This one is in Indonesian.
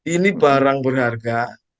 ini barang berharga